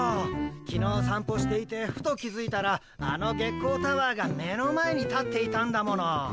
きのうさんぽしていてふと気づいたらあの月光タワーが目の前に立っていたんだもの。